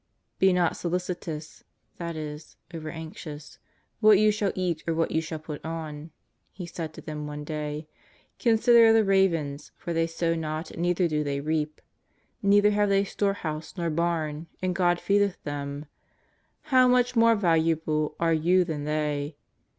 " Be not solicitous/' that is, over anxious, " what you shall eat or what you shall put on,'' He said to them one day. '' Consider the ravens, for they sow not, neither do they reap, neither have they storehouse nor barn, and God feedeth them. How much more valuable are you than they."